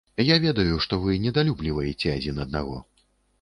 Я ведаю, што вы недалюбліваеце адзін аднаго.